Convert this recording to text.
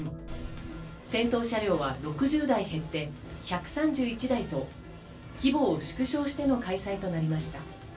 戦闘車両は６０台減って１３１台と規模を縮小しての開催となりました。